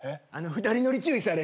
２人乗り注意される。